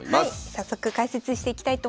早速解説していきたいと思います。